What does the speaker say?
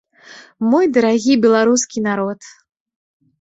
Мой дарагі беларускі народ!